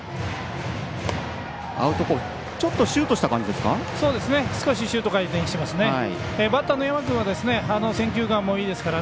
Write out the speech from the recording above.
ちょっとシュートした感じですか。